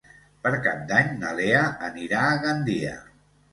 Per Cap d'Any na Lena anirà a Gandia.